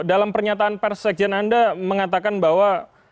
dalam pernyataan pers sekjen anda mengatakan bahwa